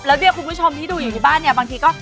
แล้วเนี่ยคุณผู้ชมที่ดูอยู่ที่บ้านเนี่ยบางทีก็